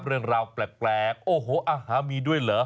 เรื่องราวแปลกโอ้โหอาหารมีด้วยเหรอ